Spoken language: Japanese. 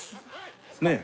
ねえ。